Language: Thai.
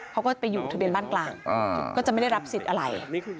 เขาก็ไปอยู่ทะเบียนบ้านกลางก็จะไม่ได้รับสิทธิ์อะไร